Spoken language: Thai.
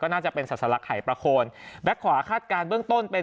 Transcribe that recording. น่าจะเป็นศาสลักหายประโคนแบ็คขวาคาดการณ์เบื้องต้นเป็น